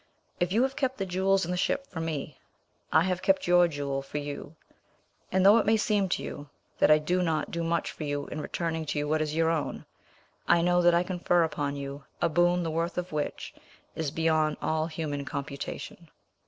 If you have kept the jewels in the ship for me, I have kept your jewel for you; and though it may seem to you that I do not do much for you in returning to you what is your own, I know that I confer upon you a boon the worth of which is beyond all human computation.